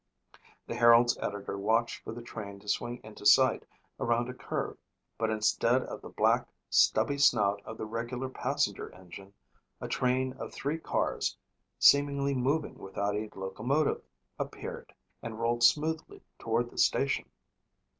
The Herald's editor watched for the train to swing into sight around a curve but instead of the black, stubby snout of the regular passenger engine, a train of three cars, seemingly moving without a locomotive, appeared and rolled smoothly toward the station.